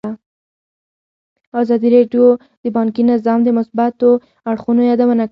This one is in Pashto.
ازادي راډیو د بانکي نظام د مثبتو اړخونو یادونه کړې.